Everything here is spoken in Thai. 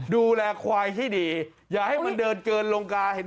ดูแลขวายที่ดีอย่าให้มันเดินเกินรงค์กา